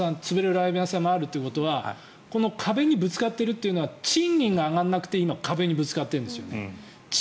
ラーメン屋さんがあるということはこの壁にぶつかっているということは賃金が上がらなくて今、壁にぶつかってるんですよね